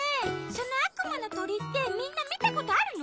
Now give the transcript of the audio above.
そのあくまのとりってみんなみたことあるの？